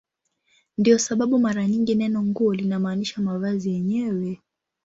Ndiyo sababu mara nyingi neno "nguo" linamaanisha mavazi yenyewe.